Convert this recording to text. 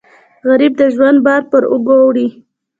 غریب د ژوند بار پر اوږو وړي